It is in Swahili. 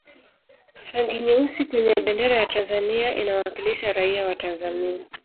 rangi nyeusi kwenye bendera ya tanzania inawakilisha raia wa tanzania